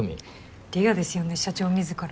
レアですよね社長自ら。